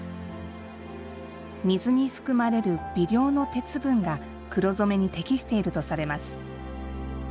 水に含まれる微量の鉄分が黒染めに適しているとされます。